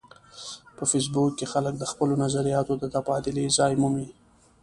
په فېسبوک کې خلک د خپلو نظریاتو د تبادلې ځای مومي